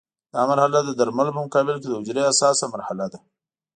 دا مرحله د درملو په مقابل کې د حجرې حساسه مرحله ده.